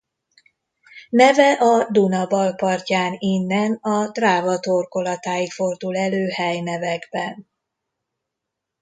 Neve a Duna bal partján innen a Dráva torkolatáig fordul elő helynevekben.